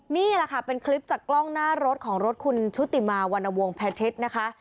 นี่แหละค่ะเป็นคลิปจากกล้องหน้ารถของรถคุณชุติมาวรรณวงแพชิตนะคะ